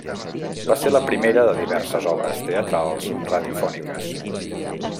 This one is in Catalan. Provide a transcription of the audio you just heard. Va ser la primera de diverses obres teatrals radiofòniques.